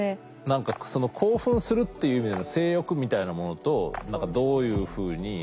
何か興奮するっていう意味での性欲みたいなものとどういうふうにつきあうかとか。